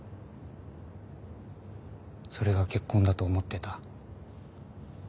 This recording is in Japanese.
それが結婚だと思ってた。